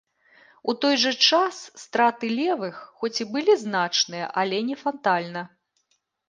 У той жа час страты левых, хоць і былі значныя, але не фатальна.